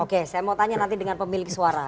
oke saya mau tanya nanti dengan pemilik suara